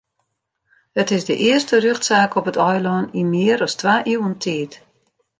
It is de earste rjochtsaak op it eilân yn mear as twa iuwen tiid.